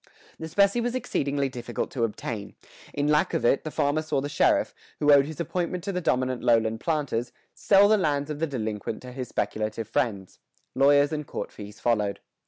The specie was exceedingly difficult to obtain; in lack of it, the farmer saw the sheriff, who owed his appointment to the dominant lowland planters, sell the lands of the delinquent to his speculative friends. Lawyers and court fees followed.